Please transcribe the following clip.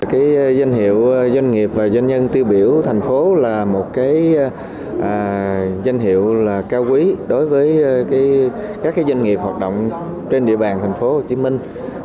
cái danh hiệu doanh nghiệp và doanh nhân tiêu biểu thành phố là một danh hiệu cao quý đối với các doanh nghiệp hoạt động trên địa bàn thành phố hồ chí minh